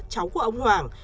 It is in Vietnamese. cháu của ông hoàng